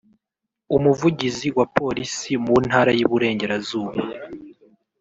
Umuvugizi wa Polisi mu Ntara y’Iburengerazuba